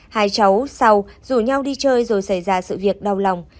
hai cháu sau rủ nhau đi chơi rồi xảy ra sự việc đau lòng